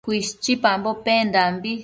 Cuishchipambo pendambi